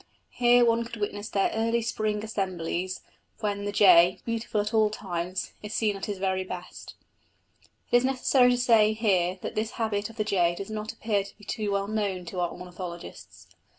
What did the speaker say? Here one could witness their early spring assemblies, when the jay, beautiful at all times, is seen at his very best. It is necessary to say here that this habit of the jay does not appear to be too well known to our ornithologists.